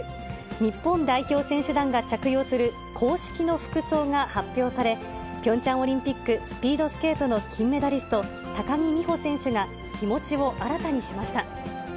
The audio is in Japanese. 日本代表選手団が着用する公式の服装が発表され、ピョンチャンオリンピックスピードスケートの金メダリスト、高木美帆選手が、気持ちを新たにしました。